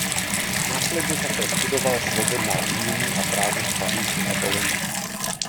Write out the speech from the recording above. Následně také studoval svobodná umění a právo v Paříži a Boloni.